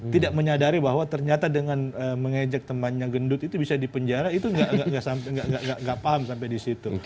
tidak menyadari bahwa ternyata dengan mengejek temannya gendut itu bisa dipenjara itu nggak paham sampai di situ